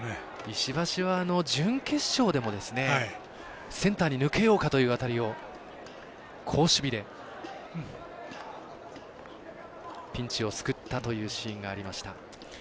石橋は、準決勝でもセンターに抜けようかという当たりを好守備でピンチを救ったというシーンがありました。